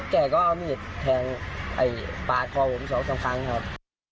แกง็เอามิดแทงปาคคอบผมสองสำคัญครับ